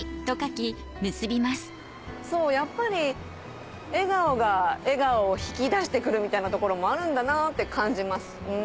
やっぱり笑顔が笑顔を引き出してくるみたいなところもあるんだなって感じます。